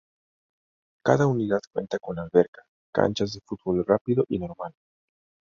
Cada unidad cuenta con alberca, canchas de fútbol rápido y normal.